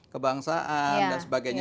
kebangsaan dan sebagainya